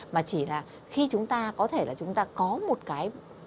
mà chỉ là khi chúng ta có thể là chúng ta có một cái